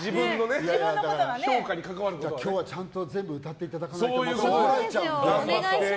今日はちゃんと全部歌っていただかないと怒られちゃうので。